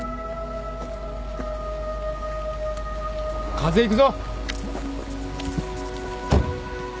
風邪ひくぞ。